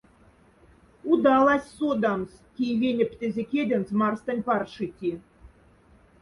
Удалась содамс, кие венептезе кяденц марстонь паршити.